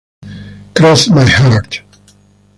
Cross My Heart